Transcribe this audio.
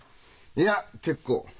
いや結構。